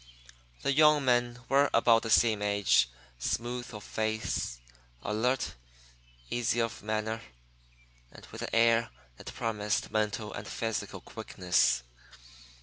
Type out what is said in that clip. The young men were about the same age, smooth of face, alert, easy of manner, and with an air that promised mental and physical quickness.